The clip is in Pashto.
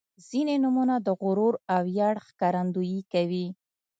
• ځینې نومونه د غرور او ویاړ ښکارندويي کوي.